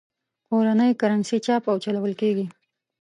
کورنۍ کرنسي چاپ او چلول کېږي.